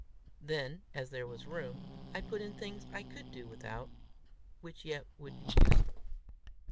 Then, as there was room, I put in things I could do without, which yet would be useful.